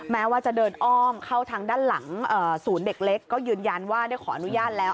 แม้ว่าจะเดินอ้อมเข้าทางด้านหลังศูนย์เด็กเล็กก็ยืนยันว่าได้ขออนุญาตแล้ว